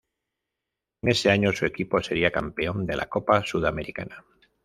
En ese año su equipo seria campeón de la Copa Sudamericana.